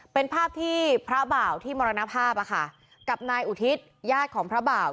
เป็นภาพที่พระบ่าวที่มรณภาพกับนายอุทิศญาติของพระบ่าว